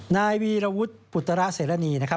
นายวีรวุฒิปุตระเสรณีนะครับ